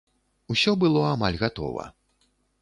Усё было амаль гатова.